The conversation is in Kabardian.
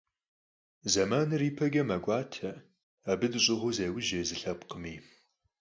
Зэманыр ипэкӀэ мэкӀуатэ, абы дэщӀыгъуу зеужь езы лъэпкъми.